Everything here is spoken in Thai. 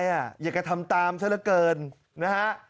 อย่าแก่ทำตามซะเหลือเกินนะฮะ